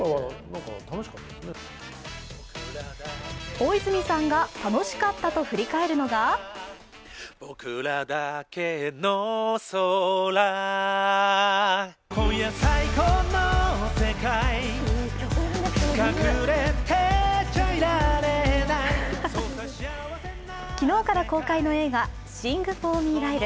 大泉さんが楽しかったと振り返るのが昨日から公開の映画「シング・フォー・ミー、ライル」。